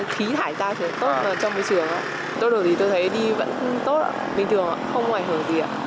khí thải tạo cho tốt trong môi trường đôi lúc thì tôi thấy đi vẫn tốt bình thường không ngoài hở gì